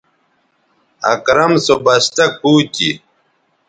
اکرم سو بستہ کُو تھی